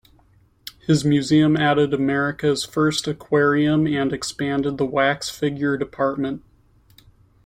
His museum added America's first aquarium and expanded the wax-figure department.